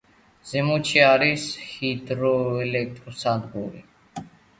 ზემოთში არის ჰიდროელექტროსადგური.